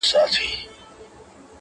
وږی تږی قاسم یار یې له سترخانه ولاړېږم,